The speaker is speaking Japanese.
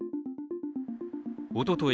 おととい